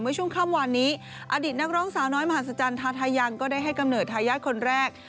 ช่วงค่ำวานนี้อดีตนักร้องสาวน้อยมหาศจรรย์ทาทายังก็ได้ให้กำเนิดทายาทคนแรก